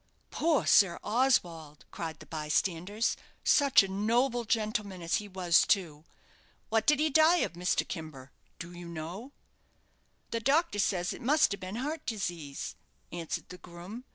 "Poor Sir Oswald!" cried the bystanders. "Such a noble gentleman as he was, too. What did he die of Mr. Kimber? do you know?" "The doctor says it must have been heart disease," answered the groom.